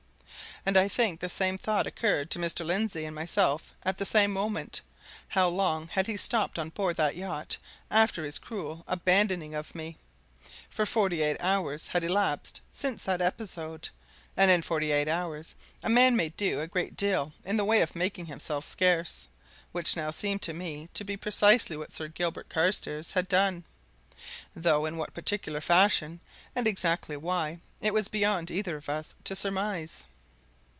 And I think the same thought occurred to Mr. Lindsey and myself at the same moment how long had he stopped on board that yacht after his cruel abandoning of me? For forty eight hours had elapsed since that episode, and in forty eight hours a man may do a great deal in the way of making himself scarce which now seemed to me to be precisely what Sir Gilbert Carstairs had done, though in what particular fashion, and exactly why, it was beyond either of us to surmise.